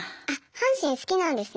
「阪神好きなんですね！